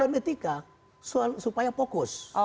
bukan etika supaya fokus